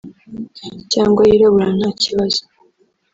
cyangwa yirabura nta kibazo